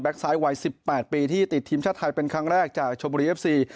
ไซต์วัย๑๘ปีที่ติดทีมชาติไทยเป็นครั้งแรกจากชมบุรีเอฟซี